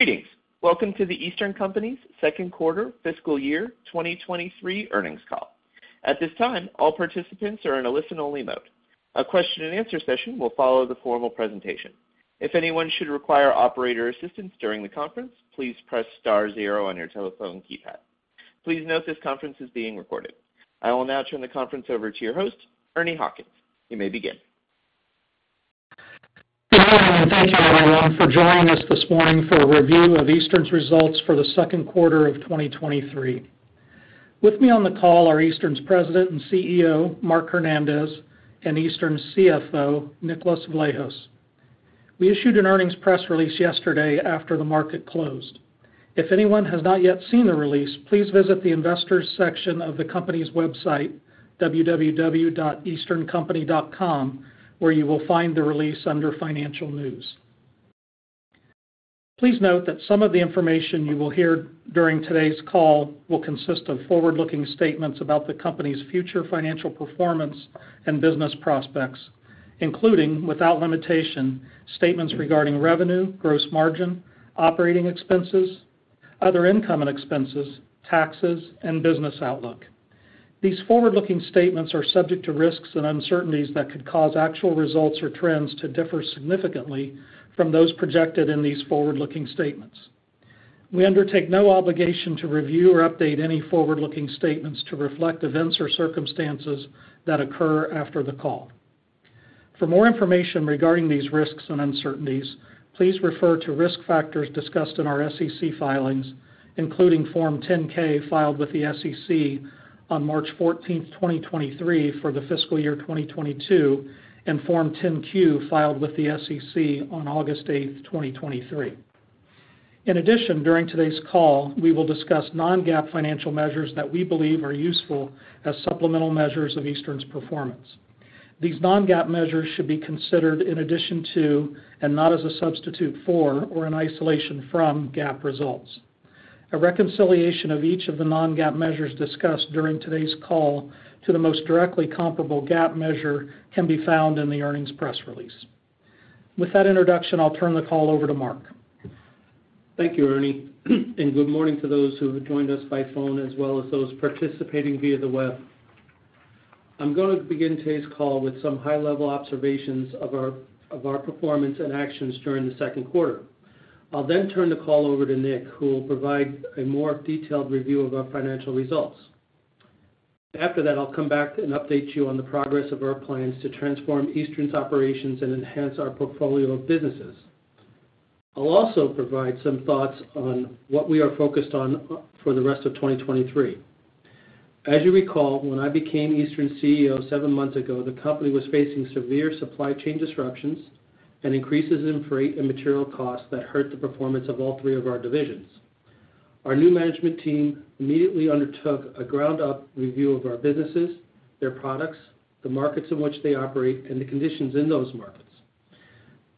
Greetings. Welcome to The Eastern Company's Second Quarter Fiscal Year 2023 Earnings Call. At this time, all participants are in a listen-only mode. A question-and-answer session will follow the formal presentation. If anyone should require operator assistance during the conference, please press star zero on your telephone keypad. Please note this conference is being recorded. I will now turn the conference over to your host, Ernie Hawkins. You may begin. Good morning, and thank you, everyone, for joining us this morning for a review of Eastern's results for the second quarter of 2023. With me on the call are Eastern's President and CEO, Mark Hernandez, and Eastern's CFO, Nicholas Vlahos. We issued an earnings press release yesterday after the market closed. If anyone has not yet seen the release, please visit the Investors section of the company's website, www.easterncompany.com, where you will find the release under Financial News. Please note that some of the information you will hear during today's call will consist of forward-looking statements about the company's future financial performance and business prospects, including, without limitation, statements regarding revenue, gross margin, operating expenses, other income and expenses, taxes, and business outlook. These forward-looking statements are subject to risks and uncertainties that could cause actual results or trends to differ significantly from those projected in these forward-looking statements. We undertake no obligation to review or update any forward-looking statements to reflect events or circumstances that occur after the call. For more information regarding these risks and uncertainties, please refer to risk factors discussed in our SEC filings, including Form 10-K, filed with the SEC on March 14, 2023, for the fiscal year 2022, and Form 10-Q, filed with the SEC on August 8, 2023. In addition, during today's call, we will discuss non-GAAP financial measures that we believe are useful as supplemental measures of Eastern's performance. These non-GAAP measures should be considered in addition to, and not as a substitute for or in isolation from, GAAP results. A reconciliation of each of the non-GAAP measures discussed during today's call to the most directly comparable GAAP measure can be found in the earnings press release. With that introduction, I'll turn the call over to Mark. Thank you, Ernie. Good morning to those who have joined us by phone, as well as those participating via the web. I'm going to begin today's call with some high-level observations of our performance and actions during the second quarter. I'll then turn the call over to Nick, who will provide a more detailed review of our financial results. After that, I'll come back and update you on the progress of our plans to transform Eastern's operations and enhance our portfolio of businesses. I'll also provide some thoughts on what we are focused on for the rest of 2023. As you recall, when I became Eastern's CEO seven months ago, the company was facing severe supply chain disruptions and increases in freight and material costs that hurt the performance of all three of our divisions. Our new management team immediately undertook a ground-up review of our businesses, their products, the markets in which they operate, and the conditions in those markets.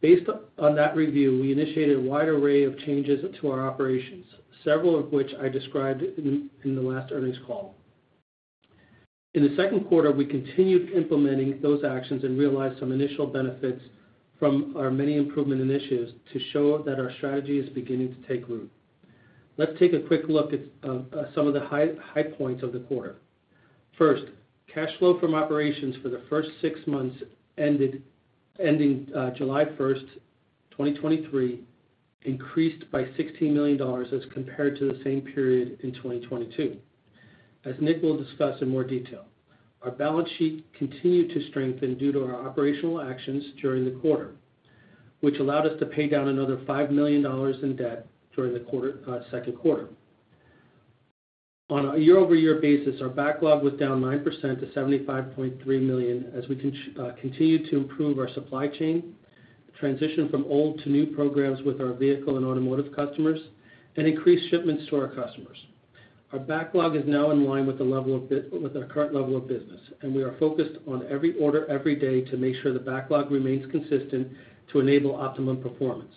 Based on that review, we initiated a wide array of changes to our operations, several of which I described in the last earnings call. In the second quarter, we continued implementing those actions and realized some initial benefits from our many improvement initiatives to show that our strategy is beginning to take root. Let's take a quick look at some of the high points of the quarter. First, cash flow from operations for the first six months ended ending July 1st, 2023, increased by $16 million as compared to the same period in 2022. As Nick will discuss in more detail, our balance sheet continued to strengthen due to our operational actions during the quarter, which allowed us to pay down another $5 million in debt during the quarter, second quarter. On a year-over-year basis, our backlog was down 9% to $75.3 million as we continue to improve our supply chain, transition from old to new programs with our vehicle and automotive customers, and increase shipments to our customers. Our backlog is now in line with the level of with our current level of business, and we are focused on every order, every day, to make sure the backlog remains consistent to enable optimum performance.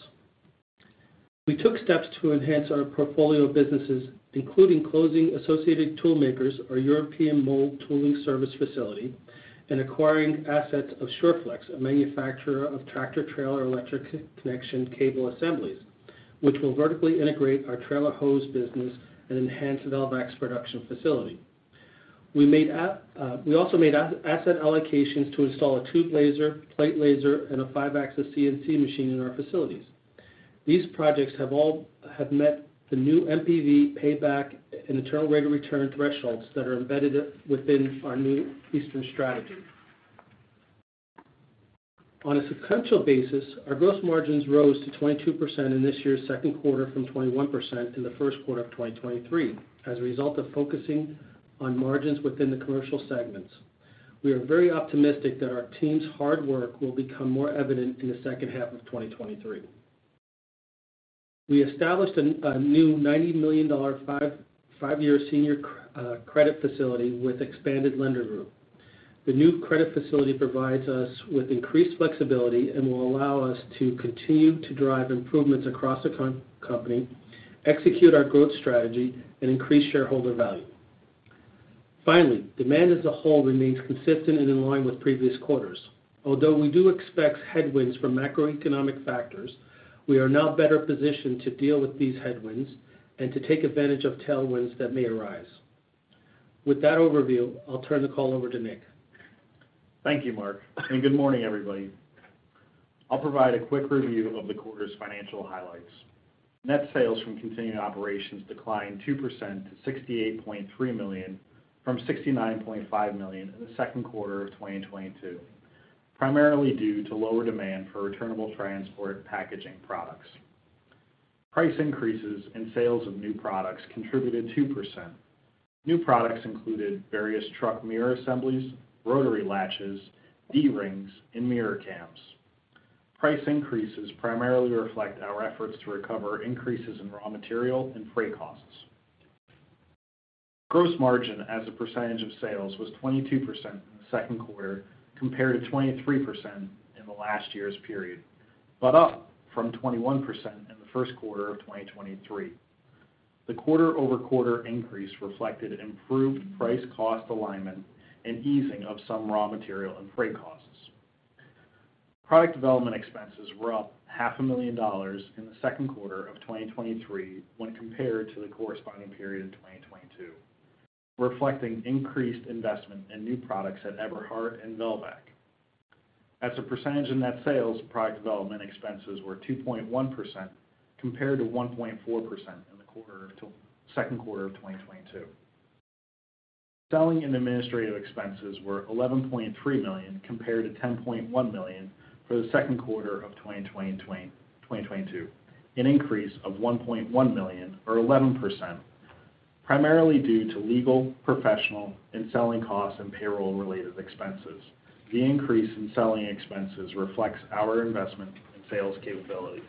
We took steps to enhance our portfolio of businesses, including closing Associated Toolmakers, our European mold tooling service facility, and acquiring assets of Sureflex, a manufacturer of tractor-trailer electrical connection cable assemblies, which will vertically integrate our trailer hose business and enhance the Velvac production facility. We made a... we also made asset allocations to install a tube laser, plate laser, and a five-axis CNC machine in our facilities. These projects have met the new NPV payback and internal rate of return thresholds that are embedded within our new Eastern strategy. On a sequential basis, our gross margins rose to 22% in this year's second quarter from 21% in the first quarter of 2023, as a result of focusing on margins within the commercial segments. We are very optimistic that our team's hard work will become more evident in the second half of 2023. We established a new $90 million, five-year senior credit facility with expanded lender group. The new credit facility provides us with increased flexibility and will allow us to continue to drive improvements across the company, execute our growth strategy, and increase shareholder value. Finally, demand as a whole remains consistent and in line with previous quarters. Although we do expect headwinds from macroeconomic factors, we are now better positioned to deal with these headwinds and to take advantage of tailwinds that may arise. With that overview, I'll turn the call over to Nick. Thank you, Mark. Good morning, everybody. I'll provide a quick review of the quarter's financial highlights. Net sales from continuing operations declined 2% to $68.3 million, from $69.5 million in the second quarter of 2022, primarily due to lower demand for returnable transport packaging products. Price increases and sales of new products contributed 2%. New products included various truck mirror assemblies, rotary latches, D-rings, and mirror cams. Price increases primarily reflect our efforts to recover increases in raw material and freight costs. Gross margin as a percentage of sales, was 22% in the second quarter, compared to 23% in the last year's period, but up from 21% in the first quarter of 2023. The quarter-over-quarter increase reflected improved price cost alignment and easing of some raw material and freight costs. Product development expenses were up $0.5 million in the second quarter of 2023 when compared to the corresponding period in 2022, reflecting increased investment in new products at Eberhard and Velvac. As a percentage of net sales, product development expenses were 2.1% compared to 1.4% in the second quarter of 2022. Selling and administrative expenses were $11.3 million, compared to $10.1 million for the second quarter of 2022, an increase of $1.1 million or 11%, primarily due to legal, professional, and selling costs, and payroll-related expenses. The increase in selling expenses reflects our investment in sales capabilities.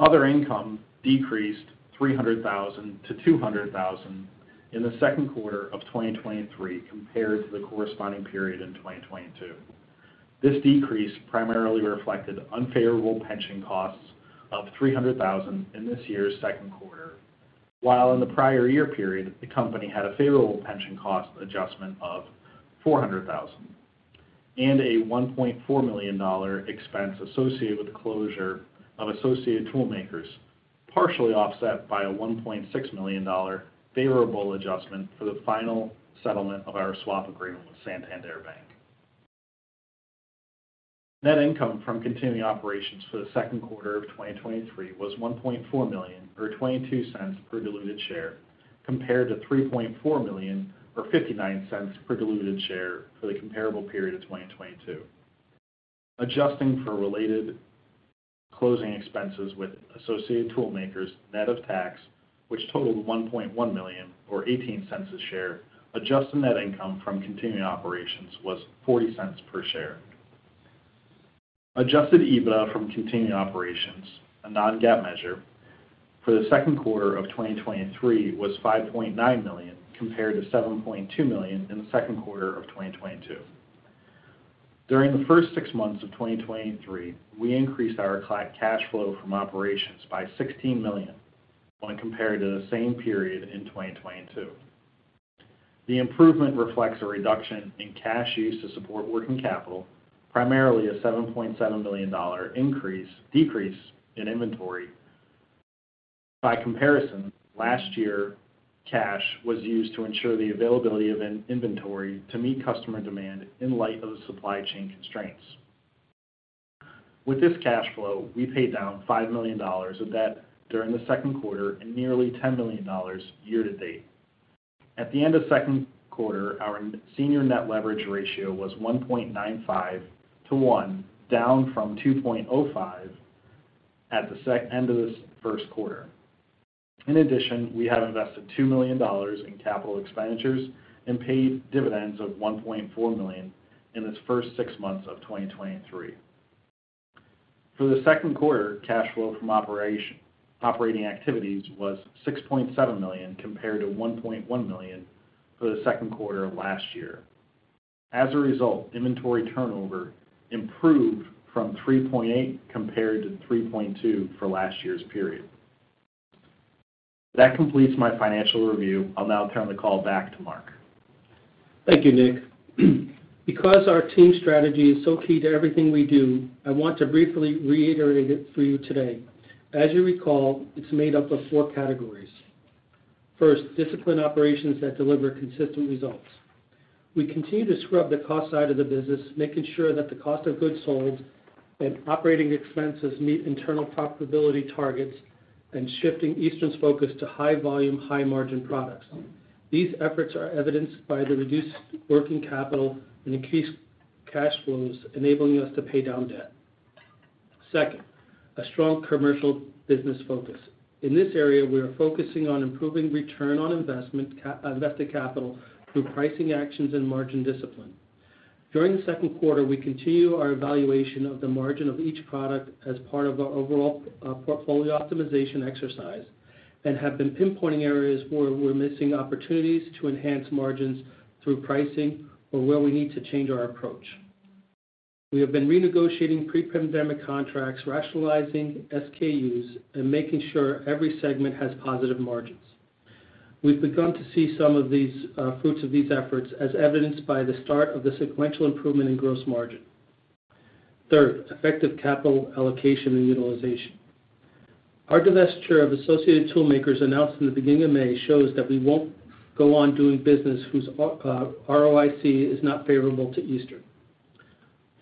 Other income decreased $300,000-$200,000 in the second quarter of 2023, compared to the corresponding period in 2022. This decrease primarily reflected unfavorable pension costs of $300,000 in this year's second quarter, while in the prior year period, the company had a favorable pension cost adjustment of $400,000, and a $1.4 million expense associated with the closure of Associated Toolmakers, partially offset by a $1.6 million favorable adjustment for the final settlement of our swap agreement with Santander Bank. Net income from continuing operations for the second quarter of 2023 was $1.4 million, or $0.22 per diluted share, compared to $3.4 million, or $0.59 per diluted share for the comparable period of 2022. Adjusting for related closing expenses with Associated Toolmakers, net of tax, which totaled $1.1 million, or $0.18 a share, adjusted net income from continuing operations was $0.40 per share. Adjusted EBITDA from continuing operations, a non-GAAP measure, for the second quarter of 2023, was $5.9 million, compared to $7.2 million in the second quarter of 2022. During the first six months of 2023, we increased our cash flow from operations by $16 million when compared to the same period in 2022. The improvement reflects a reduction in cash used to support working capital, primarily a $7.7 million decrease in inventory. By comparison, last year, cash was used to ensure the availability of in-inventory to meet customer demand in light of the supply chain constraints. With this cash flow, we paid down $5 million of debt during the second quarter and nearly $10 million year-to-date. At the end of second quarter, our senior net leverage ratio was 1.95 to 1, down from 2.05 at the end of the first quarter. In addition, we have invested $2 million in capital expenditures and paid dividends of $1.4 million in this first six months of 2023. For the second quarter, cash flow from operating activities was $6.7 million, compared to $1.1 million for the second quarter of last year. As a result, inventory turnover improved from 3.8 compared to 3.2 for last year's period. That completes my financial review. I'll now turn the call back to Mark. Thank you, Nick. Because our team strategy is so key to everything we do, I want to briefly reiterate it for you today. As you recall, it's made up of four categories. First, disciplined operations that deliver consistent results. We continue to scrub the cost side of the business, making sure that the cost of goods sold and operating expenses meet internal profitability targets, and shifting Eastern's focus to high volume, high margin products. These efforts are evidenced by the reduced working capital and increased cash flows, enabling us to pay down debt. Second, a strong commercial business focus. In this area, we are focusing on improving return on invested capital through pricing actions and margin discipline. During the second quarter, we continue our evaluation of the margin of each product as part of our overall portfolio optimization exercise, and have been pinpointing areas where we're missing opportunities to enhance margins through pricing or where we need to change our approach. We have been renegotiating pre-pandemic contracts, rationalizing SKUs, and making sure every segment has positive margins. We've begun to see some of these fruits of these efforts, as evidenced by the start of the sequential improvement in gross margin. Third, effective capital allocation and utilization. Our divestiture of Associated Toolmakers announced in the beginning of May, shows that we won't go on doing business whose ROIC is not favorable to Eastern.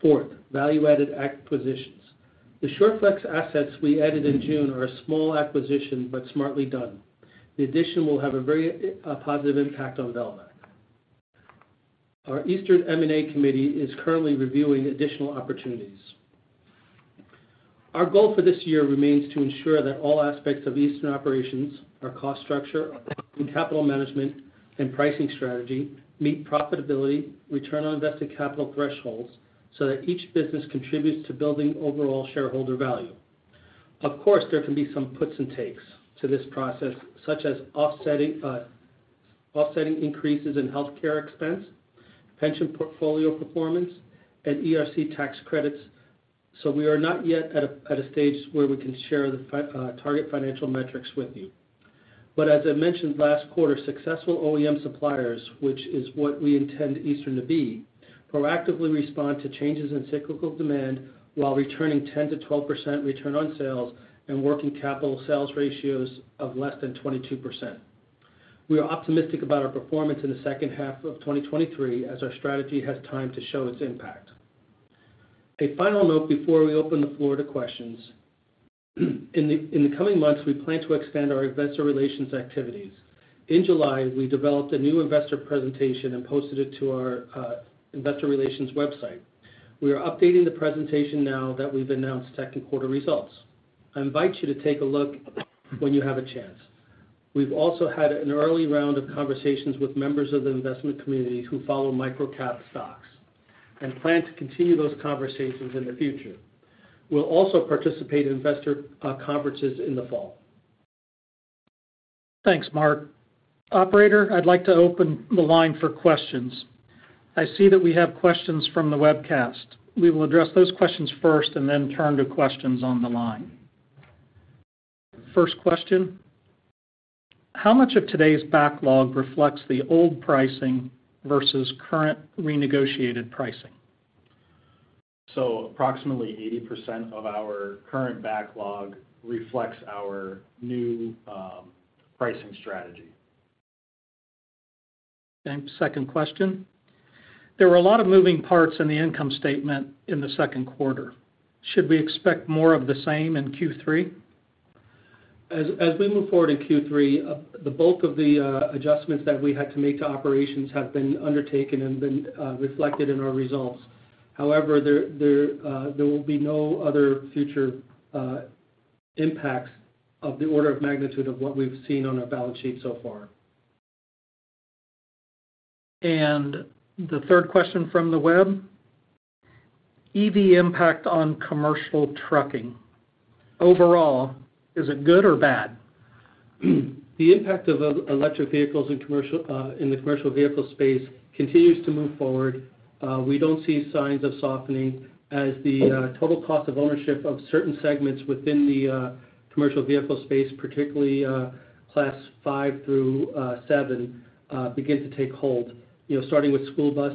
Fourth, value-added acquisitions. The Sureflex assets we added in June are a small acquisition but smartly done. The addition will have a very positive impact on Velvac. Our Eastern M&A committee is currently reviewing additional opportunities. Our goal for this year remains to ensure that all aspects of Eastern operations, our cost structure, and capital management, and pricing strategy, meet profitability, return on invested capital thresholds so that each business contributes to building overall shareholder value. Of course, there can be some puts and takes to this process, such as offsetting offsetting increases in healthcare expense, pension portfolio performance, and ERC tax credits. We are not yet at a stage where we can share the target financial metrics with you. As I mentioned last quarter, successful OEM suppliers, which is what we intend Eastern to be, proactively respond to changes in cyclical demand while returning 10%-12% return on sales and working capital sales ratios of less than 22%. We are optimistic about our performance in the second half of 2023, as our strategy has time to show its impact. A final note before we open the floor to questions. In the coming months, we plan to extend our Investor Relations activities. In July, we developed a new investor presentation and posted it to our Investor Relations website. We are updating the presentation now that we've announced second quarter results. I invite you to take a look when you have a chance. We've also had an early round of conversations with members of the investment community who follow micro-cap stocks, and plan to continue those conversations in the future. We'll also participate in investor conferences in the fall. Thanks, Mark. Operator, I'd like to open the line for questions. I see that we have questions from the webcast. We will address those questions first and then turn to questions on the line. First question: How much of today's backlog reflects the old pricing versus current renegotiated pricing? Approximately 80% of our current backlog reflects our new pricing strategy. Thanks. Second question: There were a lot of moving parts in the income statement in the second quarter. Should we expect more of the same in Q3? As we move forward in Q3, the bulk of the adjustments that we had to make to operations have been undertaken and been reflected in our results. However, there will be no other future impacts of the order of magnitude of what we've seen on our balance sheet so far. The third question from the web: EV impact on commercial trucking. Overall, is it good or bad? The impact of electric vehicles in commercial, in the commercial vehicle space continues to move forward. We don't see signs of softening as the total cost of ownership of certain segments within the commercial vehicle space, particularly, Class 5 through 7, begin to take hold. You know, starting with school bus,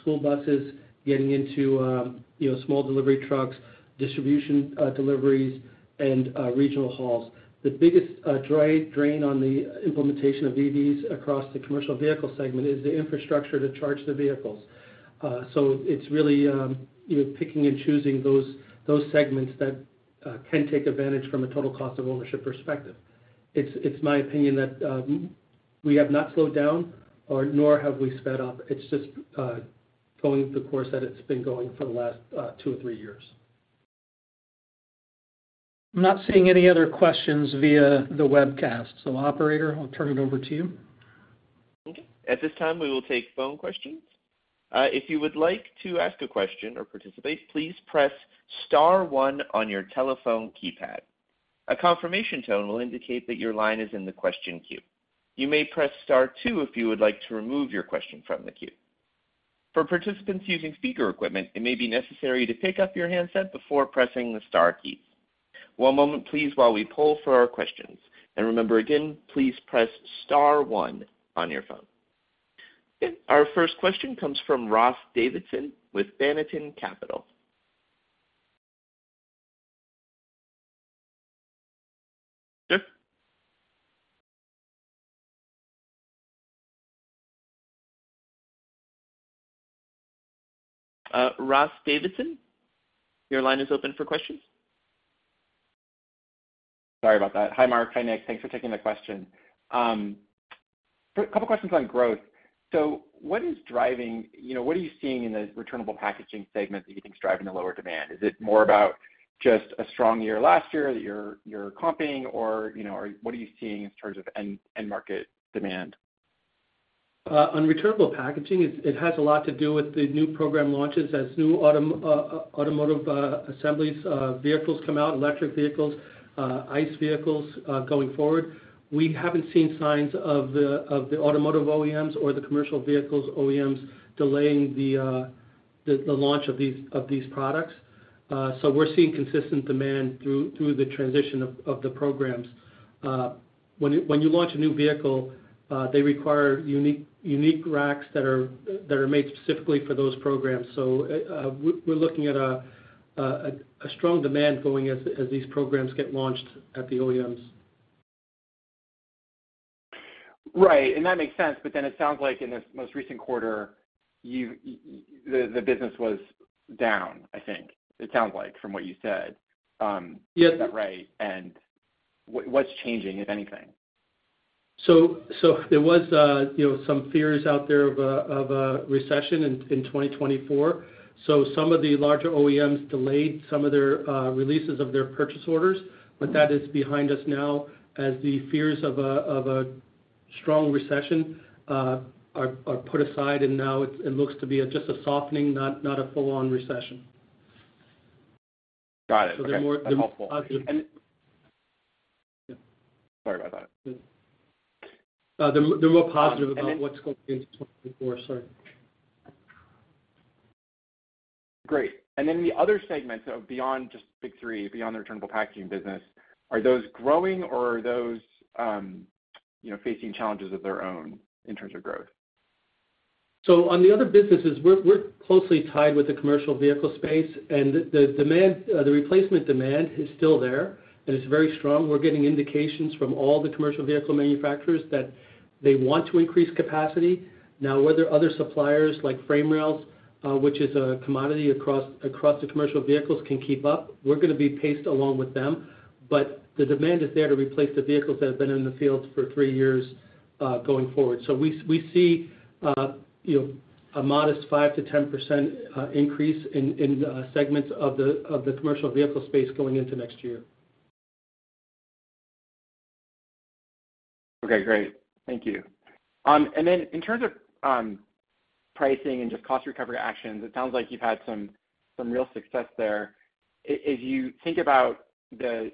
school buses, getting into, you know, small delivery trucks, distribution, deliveries, and regional hauls. The biggest drain, drain on the implementation of EVs across the commercial vehicle segment is the infrastructure to charge the vehicles. It's really, you know, picking and choosing those, those segments that can take advantage from a total cost of ownership perspective. It's, it's my opinion that we have not slowed down or nor have we sped up. It's just going the course that it's been going for the last 2 or 3 years. I'm not seeing any other questions via the webcast, so Operator, I'll turn it over to you. Okay. At this time, we will take phone questions. If you would like to ask a question or participate, please press star one on your telephone keypad. A confirmation tone will indicate that your line is in the question queue. You may press star two if you would like to remove your question from the queue. For participants using speaker equipment, it may be necessary to pick up your handset before pressing the star keys. One moment, please, while we poll for our questions. Remember, again, please press star one on your phone. Okay. Our first question comes from Ross Davisson with Banneton Capital. Sir? Ross Davisson, your line is open for questions. Sorry about that. Hi, Mark. Hi, Nick. Thanks for taking the question. A couple of questions on growth. What is driving... You know, what are you seeing in the returnable packaging segment that you think is driving the lower demand? Is it more about just a strong year last year that you're comping or, you know, or what are you seeing in terms of end market demand? On returnable packaging, it, it has a lot to do with the new program launches as new automotive assemblies, vehicles come out, electric vehicles, ICE vehicles, going forward. We haven't seen signs of the, of the automotive OEMs or the commercial vehicles OEMs delaying the, the launch of these, of these products. We're seeing consistent demand through, through the transition of, of the programs. When you, when you launch a new vehicle, they require unique, unique racks that are, that are made specifically for those programs. We're, we're looking at a, a, a strong demand going as, as these programs get launched at the OEMs. Right, and that makes sense, but then it sounds like in this most recent quarter, you, the business was down, I think. It sounds like, from what you said. Yes. Is that right? What, what's changing, if anything? There was, you know, some fears out there of a recession in 2024. Some of the larger OEMs delayed some of their releases of their purchase orders. That is behind us now as the fears of a strong recession are put aside. Now it looks to be just a softening, not a full-on recession. Got it. They're more. That's helpful. Sorry about that. They're more positive about what's going into 2024. Sorry. Great. Then the other segments of beyond just Big 3, beyond the returnable packaging business, are those growing or are those, you know, facing challenges of their own in terms of growth? On the other businesses, we're, we're closely tied with the commercial vehicle space, and the demand, the replacement demand is still there, and it's very strong. We're getting indications from all the commercial vehicle manufacturers that they want to increase capacity. Whether other suppliers, like frame rails, which is a commodity across the commercial vehicles, can keep up, we're gonna be paced along with them. The demand is there to replace the vehicles that have been in the field for three years going forward. We, we see, you know, a modest 5%-10% increase in segments of the commercial vehicle space going into next year. Okay, great. Thank you. In terms of pricing and just cost recovery actions, it sounds like you've had some, some real success there. As you think about the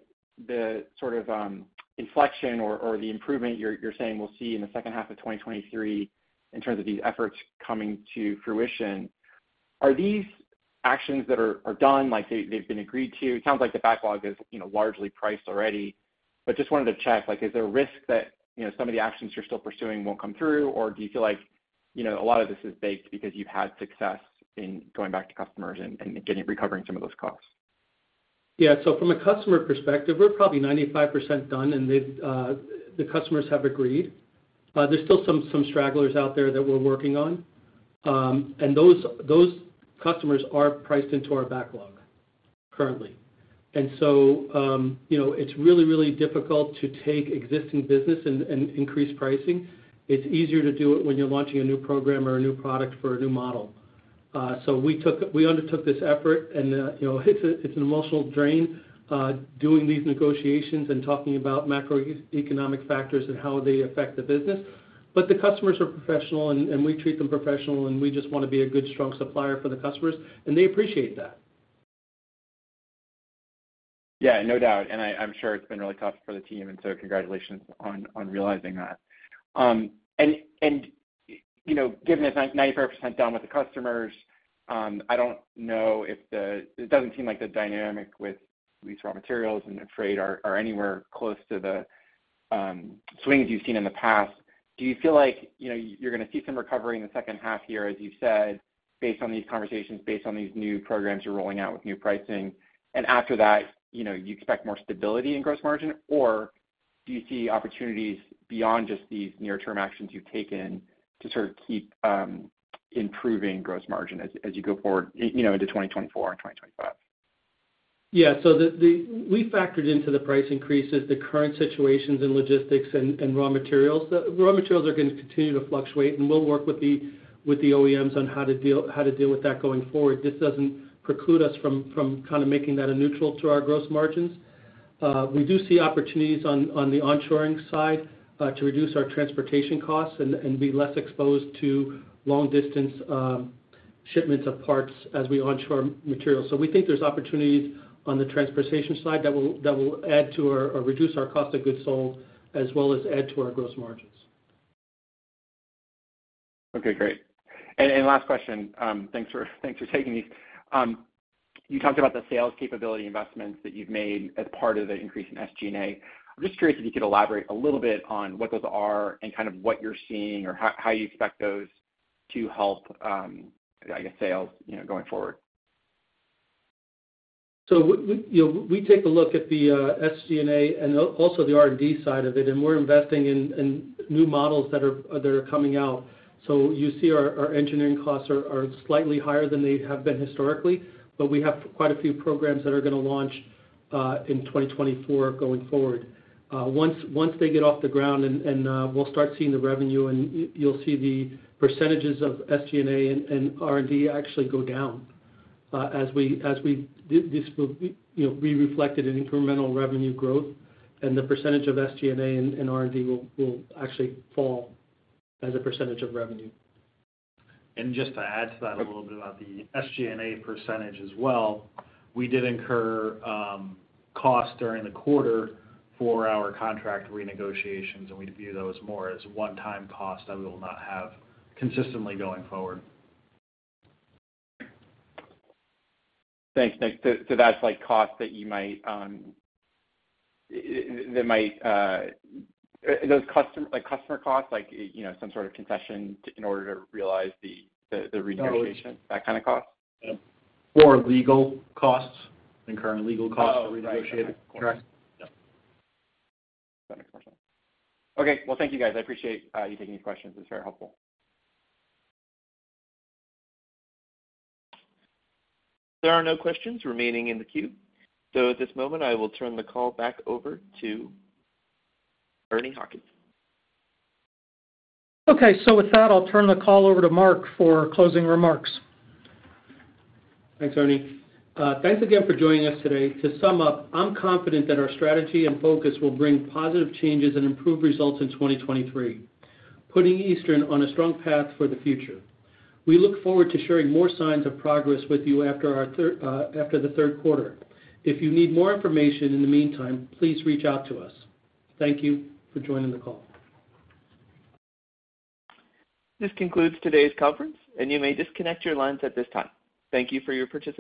sort of inflection or the improvement you're saying we'll see in the second half of 2023 in terms of these efforts coming to fruition, are these actions that are done, like, they, they've been agreed to? It sounds like the backlog is, you know, largely priced already. Just wanted to check, like, is there a risk that, you know, some of the actions you're still pursuing won't come through, or do you feel like, you know, a lot of this is baked because you've had success in going back to customers and recovering some of those costs? Yeah. From a customer perspective, we're probably 95% done, and they've, the customers have agreed. There's still some, some stragglers out there that we're working on. Those, those customers are priced into our backlog currently. So, you know, it's really, really difficult to take existing business and, and increase pricing. It's easier to do it when you're launching a new program or a new product for a new model. We undertook this effort, and, you know, it's a, it's an emotional drain, doing these negotiations and talking about macroeconomic factors and how they affect the business. The customers are professional, and, and we treat them professional, and we just wanna be a good, strong supplier for the customers, and they appreciate that. Yeah, no doubt. I, I'm sure it's been really tough for the team, and so congratulations on, on realizing that. You know, given it's 95% done with the customers, I don't know if it doesn't seem like the dynamic with these raw materials and the trade are anywhere close to the swings you've seen in the past. Do you feel like, you know, you're gonna see some recovery in the second half year, as you've said, based on these conversations, based on these new programs you're rolling out with new pricing? After that, you know, you expect more stability in gross margin, or do you see opportunities beyond just these near-term actions you've taken to sort of keep, improving gross margin as, as you go forward, you know, into 2024 and 2025? Yeah. We factored into the price increases, the current situations in logistics and raw materials. The raw materials are going to continue to fluctuate, and we'll work with the OEMs on how to deal with that going forward. This doesn't preclude us from kind of making that a neutral to our gross margins. We do see opportunities on the onshoring side to reduce our transportation costs and be less exposed to long-distance shipments of parts as we onshore materials. We think there's opportunities on the transportation side that will add to or reduce our cost of goods sold, as well as add to our gross margins. Okay, great. Last question, thanks for, thanks for taking these. You talked about the sales capability investments that you've made as part of the increase in SG&A. I'm just curious if you could elaborate a little bit on what those are and kind of what you're seeing or how, how you expect those to help, I guess, sales, you know, going forward. We, we, you know, we take a look at the SG&A and also the R&D side of it, and we're investing in, in new models that are, that are coming out. You see our, our engineering costs are, are slightly higher than they have been historically, but we have quite a few programs that are gonna launch in 2024 going forward. Once, once they get off the ground and, we'll start seeing the revenue, and you'll see the percentages of SG&A and R&D actually go down. As we, this will, you know, be reflected in incremental revenue growth, and the percentage of SG&A and R&D will, will actually fall as a percentage of revenue. Just to add to that, a little bit about the SG&A percentage as well. We did incur costs during the quarter for our contract renegotiations. We view those more as a one-time cost that we will not have consistently going forward. Thanks, Nick. So that's like costs that you might. Are those customer, like, customer costs, like, you know, some sort of concession to, in order to realize the renegotiation? No. That kind of cost? Yeah. Or legal costs, incurring legal costs- Oh, right. to renegotiate. Correct. Yes. Got it. Okay. Well, thank you, guys. I appreciate you taking these questions. It's very helpful. There are no questions remaining in the queue. At this moment, I will turn the call back over to Ernie Hawkins. Okay. With that, I'll turn the call over to Mark for closing remarks. Thanks, Ernie. Thanks again for joining us today. To sum up, I'm confident that our strategy and focus will bring positive changes and improve results in 2023, putting Eastern on a strong path for the future. We look forward to sharing more signs of progress with you after the third quarter. If you need more information in the meantime, please reach out to us. Thank you for joining the call. This concludes today's conference, and you may disconnect your lines at this time. Thank you for your participation.